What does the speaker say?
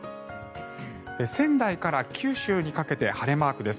仙台から九州にかけて晴れマークです。